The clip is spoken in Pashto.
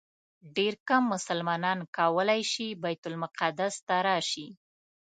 ډېر کم مسلمانان کولی شي بیت المقدس ته راشي.